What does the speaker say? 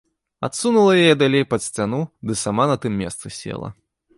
Адсунула яе далей пад сцяну ды сама на тым месцы села.